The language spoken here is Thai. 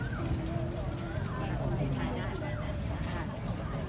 สวัสดีครับสวัสดีครับ